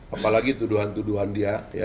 apalagi tuduhan tuduhan dia